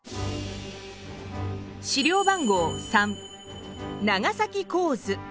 資料番号３長崎港図。